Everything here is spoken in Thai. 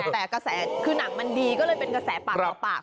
แต่กระแสคือหนังมันดีก็เลยเป็นกระแสปากต่อปาก